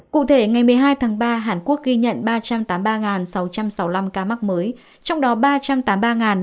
cụ thể ngày một mươi hai tháng ba hàn quốc ghi nhận ba trăm tám mươi ba sáu trăm sáu mươi năm ca mắc mới trong đó ba trăm tám mươi ba năm trăm chín mươi ca lây nhiễm trong nước